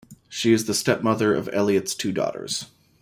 She is the stepmother of Elliott's two daughters.